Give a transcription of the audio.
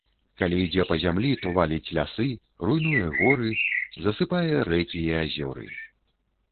Калі ідзе па зямлі, то валіць лясы, руйнуе горы, засыпае рэкі і азёры.